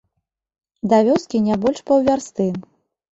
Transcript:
Да вёскі не больш паўвярсты.